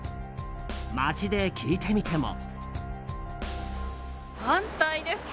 街で聞いてみても。